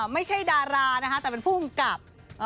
ไม่ใช่ดารานะคะแต่เป็นผู้กำกับ